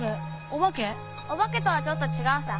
お化けとはちょっと違うさ。